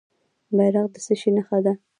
بیرغ د څه شي نښه ده؟